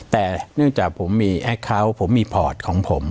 แต่เนื่องจากผมมีแอคเคาน์ผมมีพอร์ตของผม